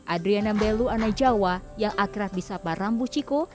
adriana bellu anajawa yang akrab di sapa rambu ciko